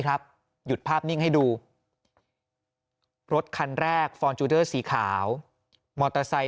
หยุดภาพนิ่งให้ดูรถคันแรกฟอร์จูเดอร์สีขาวมอเตอร์ไซค